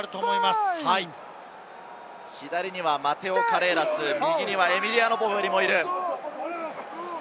左にはマテオ・カレーラス、右にはエミリアノ・ボフェリもいる。